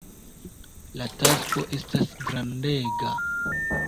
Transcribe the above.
La tasko estas grandega.